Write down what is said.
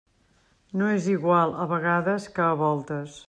No és igual a vegades que a voltes.